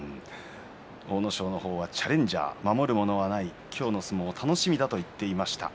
阿武咲はチャレンジャー守るものはない今日の相撲を楽しみだと言っていました。